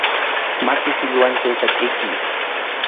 Maki silluwan chayta kʼichiy.